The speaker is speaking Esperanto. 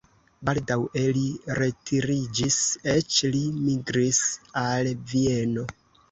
Baldaŭe li retiriĝis, eĉ li migris al Vieno.